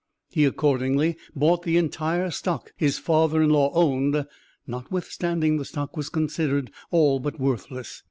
He accordingly bought the entire stock his father in law owned, notwithstanding the stock was considered all but worthless.